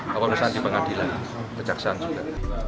kalau misalnya di pengadilan kecaksaan juga